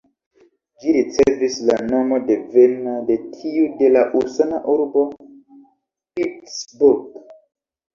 Ĝi ricevis la nomo devena de tiu de la usona urbo Pittsburgh.